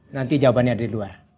nanti jawabannya di luar